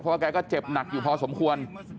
เพราะว่าแกก็เจ็บหนักอยู่พอสมควร